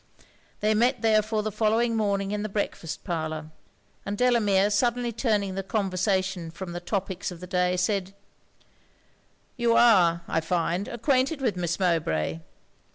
They met therefore the following morning in the breakfast parlour; and Delamere suddenly turning the conversation from the topics of the day, said 'You are, I find, acquainted with Miss Mowbray.